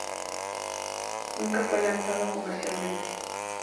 Nunca fue lanzado comercialmente.